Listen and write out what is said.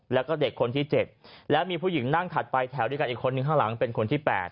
แล้วก็เด็กคนที่๗แล้วมีผู้หญิงนั่งถัดไปแถวด้วยกันอีกคนนึงข้างหลังเป็นคนที่๘